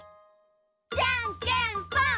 じゃんけんぽん！